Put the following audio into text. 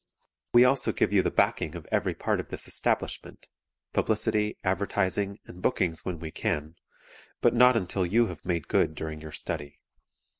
We also give you the backing of every part of this establishment publicity, advertising, and bookings when we can, but not until you have made good during your study.